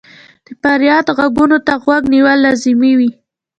د فریاد ږغونو ته غوږ نیول لازمي وي.